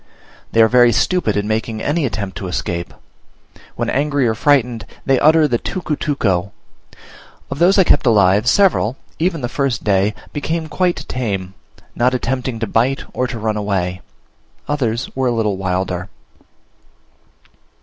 They are very stupid in making any attempt to escape; when angry or frightened they utter the tucutuco. Of those I kept alive several, even the first day, became quite tame, not attempting to bite or to run away; others were a little wilder.